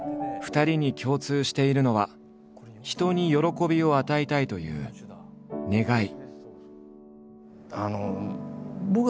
２人に共通しているのは人に喜びを与えたいという願い。